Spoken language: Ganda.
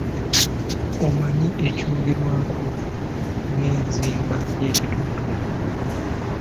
Omanyi ekyogerwako ng’enzimba yekitontome?